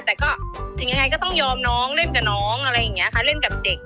แต่ก็ถึงยังไงก็ต้องยอมน้องเล่นกับน้องอะไรอย่างนี้ค่ะเล่นกับเด็ก